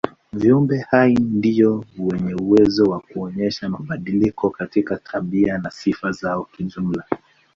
Viumbe hai ndio wenye uwezo wa kuonyesha mabadiliko katika tabia na sifa zao kijumla.